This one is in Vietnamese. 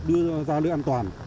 đưa ra lưỡi an toàn